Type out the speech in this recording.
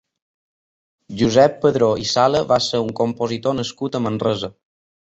Josep Padró i Sala va ser un compositor nascut a Manresa.